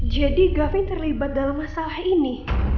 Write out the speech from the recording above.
jadi gavin terlibat dalam masalah ini